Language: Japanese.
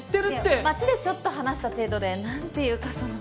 いや街でちょっと話した程度でなんていうかその。